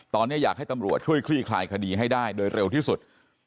ตอนนี้อยากให้ตำรวจช่วยคลี่คลายคดีให้ได้โดยเร็วที่สุด